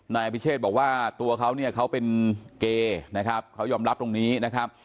นายอภิเชษบอกว่าตัวเขาเนี่ยเขาเป็นเกย์นะครับเขายอมรับตรงนี้นะครับ